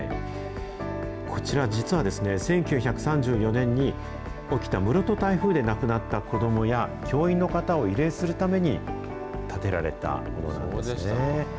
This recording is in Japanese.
こちら、実は、１９３４年に起きた室戸台風で亡くなった子どもや教員の方を慰霊するために建てられたものなんですね。